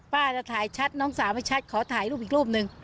จะถ่ายชัดน้องสาวไม่ชัดขอถ่ายรูปอีกรูปหนึ่ง